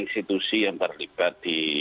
institusi yang terlibat di